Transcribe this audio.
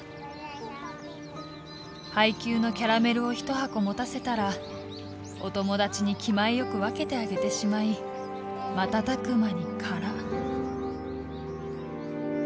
配給のキャラメルを一箱持たせたらお友達に気前よくわけてあげてしまいまたたくまにカラ」。